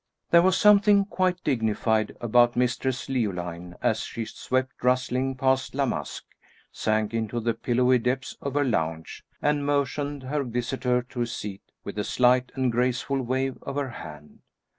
There was something quite dignified about Mistress Leoline as she swept rustling past La Masque, sank into the pillowy depths of her lounge, and motioned her visitor to a seat with a slight and graceful wave of her hand.